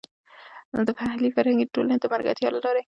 د محلي فرهنګي ټولنې د ملګرتیا له لارې.